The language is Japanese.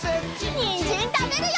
にんじんたべるよ！